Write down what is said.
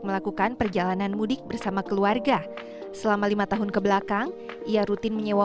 melakukan perjalanan mudik bersama keluarga selama lima tahun kebelakang ia rutin menyewa